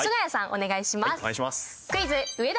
お願いします。